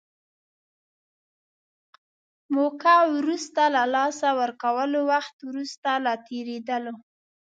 موقعه وروسته له لاسه ورکولو، وخت وروسته له تېرېدلو.